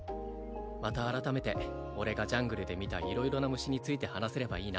また改めて俺がジャングルで見た色々な虫について話せればいいな